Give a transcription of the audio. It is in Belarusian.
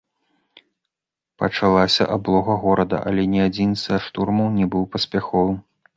Пачалася аблога горада, але ні адзін са штурмаў не быў паспяховым.